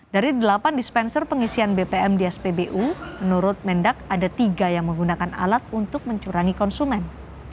dari delapan dispenser pengisian bpm di spbu menurut mendak ada tiga yang menggunakan alat untuk mencurangi konsumen